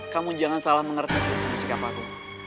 kamu jangan salah mengerti ki sama sikap aku